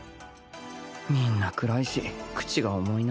みんな暗いし口が重いな